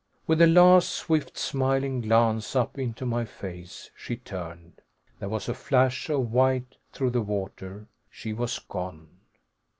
With a last swift, smiling glance up into my face, she turned. There was a flash of white through the water. She was gone....